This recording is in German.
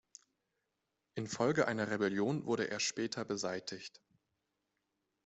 Infolge einer Rebellion wurde er später beseitigt.